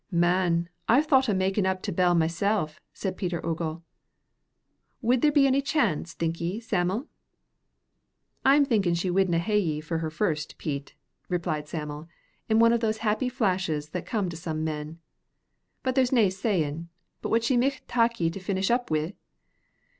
"Man, I've thocht o' makkin' up to Bell myself," said Pete Ogle. "Wid there be ony chance, think ye, Sam'l?" "I'm thinkin' she widna hae ye for her first, Pete," replied Sam'l, in one of those happy flashes that come to some men, "but there's nae sayin' but what she micht tak ye to finish up wi'."